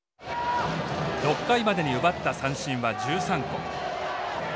６回までに奪った三振は１３個。